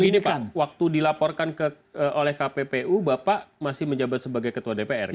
begini pak waktu dilaporkan oleh kppu bapak masih menjabat sebagai ketua dpr